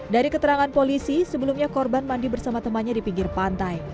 dari keterangan polisi sebelumnya korban mandi bersama temannya di pinggir pantai